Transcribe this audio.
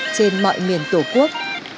trên mọi miền tổ quốc